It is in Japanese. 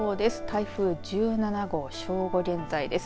台風１７号、正午現在です。